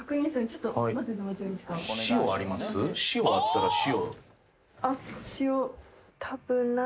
塩あったら塩。